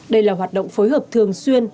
đây là hoạt động phối hợp thường xuyên